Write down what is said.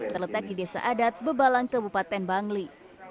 terletak di desa adat bebalang kabupaten bangli